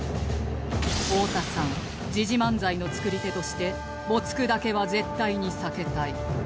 太田さん時事漫才の作り手として没句だけは絶対に避けたい